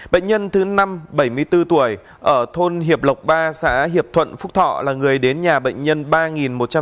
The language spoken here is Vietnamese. bệnh nhân thứ năm bảy mươi bốn tuổi ở thôn hiệp lộc ba xã hiệp thuận phúc thọ là người đến nhà bệnh nhân ba một trăm một mươi